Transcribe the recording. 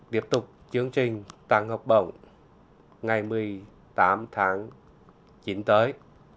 tiếp tục chương trình tăng học bổng ngày một mươi tám tháng chín tới